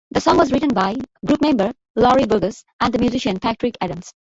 The song was written by group member Leroy Burgess and musician Patrick Adams.